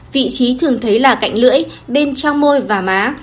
vị trí thường thấy là cạnh lưỡi bên trong môi và má